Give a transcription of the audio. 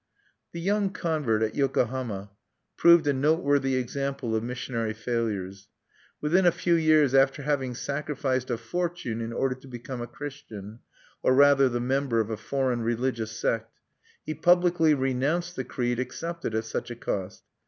The young convert at Yokohama proved a noteworthy example of missionary failures. Within a few years after having sacrificed a fortune in order to become a Christian, or rather the member of a foreign religious sect, he publicly renounced the creed accepted at such a cost.